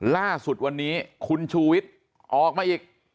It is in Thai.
ล่าสุดวันนี้คุณชูวิทย์ออกมาอีก